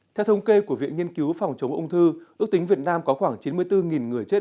theo thông kê của viện nghiên cứu phòng chống ung thư ước tính việt nam có khoảng chín mươi bốn người chết